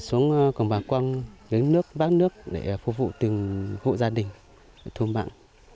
xuống còn bà quang đến nước bác nước để phục vụ từng hộ gia đình thôn bạn